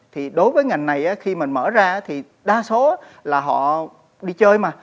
thì đối với ngành này khi mình mở ra thì đa số là họ đi chơi mà